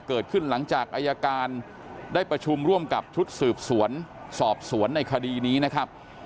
เกิดขึ้นหลังจากอายการได้ประชุมร่วมกับชุดสืบสวนสอบสวนในคดีนี้นะครับ